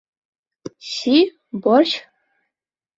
— Щи, борщ?